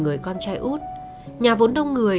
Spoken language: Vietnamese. người con trai út nhà vốn đông người